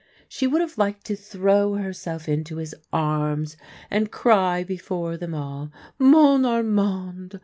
She would have liked to throw herself into his arms, and cry before them all, " Mon Armand